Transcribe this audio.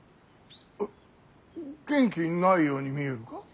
え元気ないように見えるか。